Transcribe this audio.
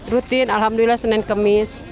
rutin alhamdulillah senin kemis